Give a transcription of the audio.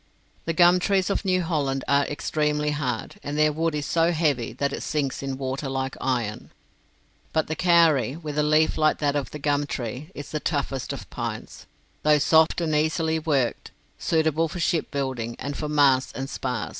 The gum trees of New Holland are extremely hard, and their wood is so heavy that it sinks in water like iron. But the kauri, with a leaf like that of the gum tree, is the toughest of pines, though soft and easily worked suitable for shipbuilding, and for masts and spars.